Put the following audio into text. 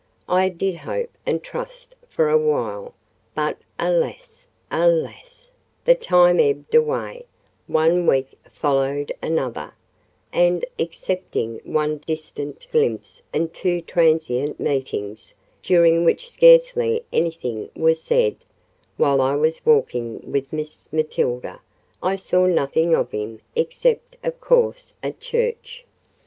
I did hope and trust for a while: but, alas, alas! the time ebbed away: one week followed another, and, excepting one distant glimpse and two transient meetings—during which scarcely anything was said—while I was walking with Miss Matilda, I saw nothing of him: except, of course, at church.